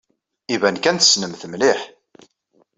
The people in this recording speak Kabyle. Iban kan tessnemt-t mliḥ.